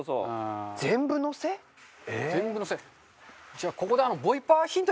じゃあここで。